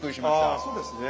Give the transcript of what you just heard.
ああそうですね。